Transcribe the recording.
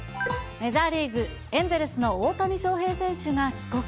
メジャーリーグ・エンゼルスの大谷翔平選手が帰国。